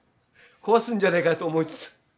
壊すんじゃないかと思いつつ。